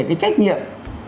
cái trách nhiệm